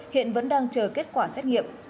hiện vẫn đang chờ kết quả xét nghiệm